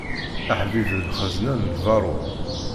Aḥbib d lxezna n lbaṛud.